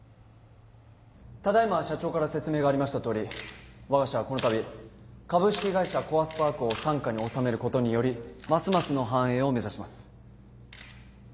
ただ今社長から説明がありましたとおりわが社はこのたび株式会社コアスパークを傘下に収めることによりますますの繁栄を目指します。